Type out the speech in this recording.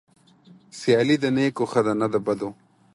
سيالي د نيکو ښه ده نه د بدو.